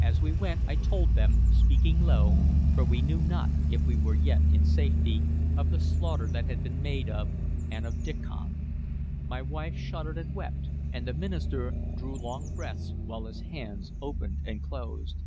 As we went, I told them, speaking low, for we knew not if we were yet in safety, of the slaughter that had been made and of Diccon. My wife shuddered and wept, and the minister drew long breaths while his hands opened and closed.